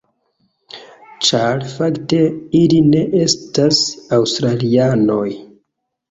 Ĉar fakte, ili ne estas aŭstralianoj.